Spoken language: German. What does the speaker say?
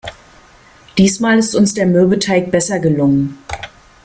Diesmal ist uns der Mürbeteig besser gelungen.